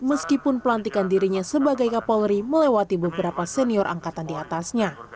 meskipun pelantikan dirinya sebagai kapolri melewati beberapa senior angkatan di atasnya